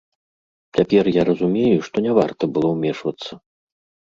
Цяпер я разумею, што не варта было ўмешвацца.